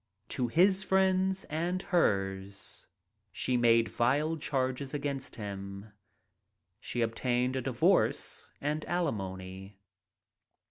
To his friends and hers she made vile charges against him. She obtained a divorce and alimony.